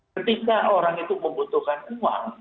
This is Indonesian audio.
ketika orang itu membutuhkan uang